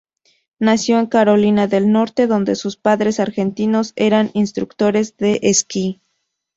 Nació en Carolina del Norte, donde sus padres, argentinos, eran instructores de esquí.